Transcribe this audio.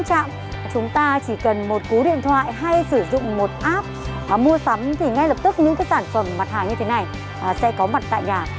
chúng ta chỉ cần một cú điện thoại hay sử dụng một app mua sắm thì ngay lập tức những cái sản phẩm mặt hàng như thế này sẽ có mặt tại nhà